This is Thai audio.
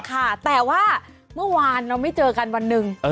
ค่ะแต่ว่าเมื่อวานเราไม่เจอกันวันหนึ่ง